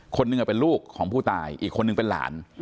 คนหนึ่งเป็นลูกของผู้ตายอีกคนนึงเป็นหลาน